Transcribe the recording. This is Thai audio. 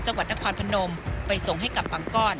จังหวัดนครพนมไปส่งให้กับบางก้อน